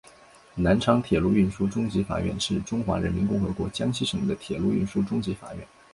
南昌铁路运输中级法院是中华人民共和国江西省的铁路运输中级法院。